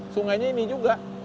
sungainya ini juga